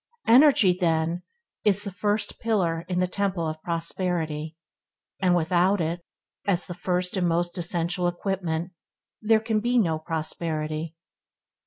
Energy, then, is the first pillar in the temple of prosperity, and without it, as the first and most essential equipment, there can be no prosperity.